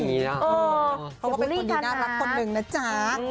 เขาก็เป็นคนดีน่ารักคนหนึ่งนะจ๊ะ